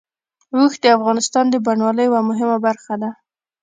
اوښ د افغانستان د بڼوالۍ یوه مهمه برخه ده.